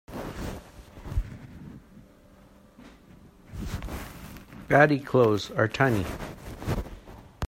Bady clothes are tiny.